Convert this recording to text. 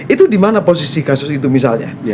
itu di mana posisi kasus itu misalnya